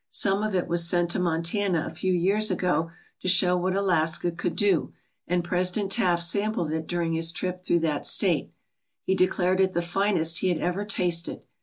Some of it was sent to Montana a few years ago to show what Alaska could do, and President Taft sampled it during his trip through that state. He declared it the finest he had ever tasted.